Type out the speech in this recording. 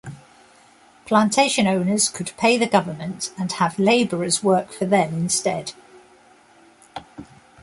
Plantation owners could pay the government and have laborers work for them instead.